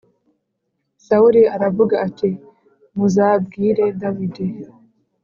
Sawuli aravuga ati “Muzabwire Dawidi “